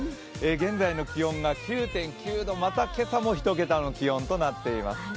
現在の気温が９．９度、また今朝も１桁の気温となっています。